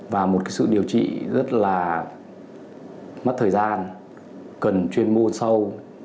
và một sự điều trị rất là mất thời gian cần chuyên môn sâu